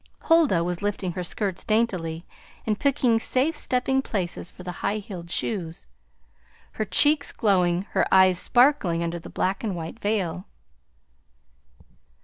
Huldah was lifting her skirts daintily and picking safe stepping places for the high heeled shoes, her cheeks glowing, her eyes sparkling under the black and white veil.